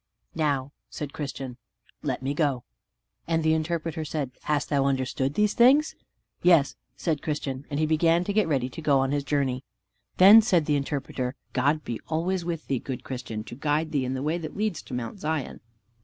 "Now," said Christian, "let me go." And the Interpreter said, "Hast thou understood these things?" "Yes," said Christian, and he began to get ready to go on his journey. Then said the Interpreter, "God be always with thee, good Christian, to guide thee in the way that leads to Mount Zion."